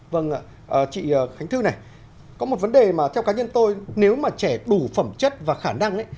vâng ạ chị khánh thư này có một vấn đề mà theo cá nhân tôi nếu mà trẻ đủ phẩm chất và khả năng